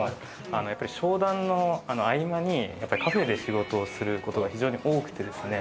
やっぱり商談の合間にカフェで仕事をすることが非常に多くてですね。